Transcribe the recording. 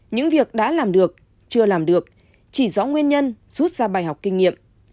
những việc đã làm được chưa làm được chỉ rõ nguyên nhân rút ra bài học kinh nghiệm